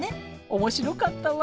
面白かったわ。